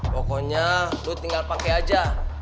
pokoknya lo tinggal pakai aja